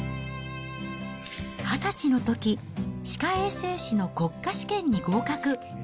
２０歳のとき、歯科衛生士の国家試験に合格。